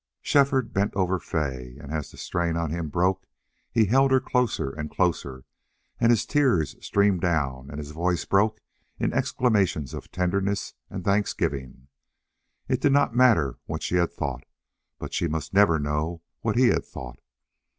Shefford bent over Fay, and as the strain on him broke he held her closer and closer and his tears streamed down and his voice broke in exclamations of tenderness and thanksgiving. It did not matter what she had thought, but she must never know what he had thought.